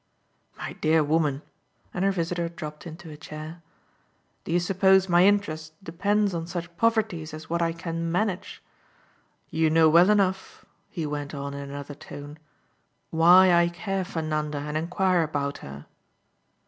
"My dear woman" and her visitor dropped into a chair "do you suppose my interest depends on such poverties as what I can 'manage'? You know well enough," he went on in another tone, "why I care for Nanda and enquire about her."